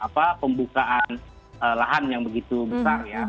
pembukaan lahan yang begitu besar ya